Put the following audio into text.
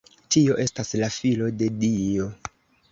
Tio estas la Filo de Dio.